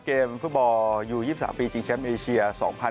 เกมฟุตบอลยู๒๓ปีจริงเชียมเอเชีย๒๐๒๐